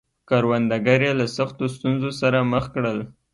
کروندګر یې له سختو ستونزو سره مخ کړل.